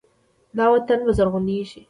دا وطن به زرغونیږي.